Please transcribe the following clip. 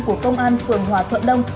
của công an phường hòa thuận đông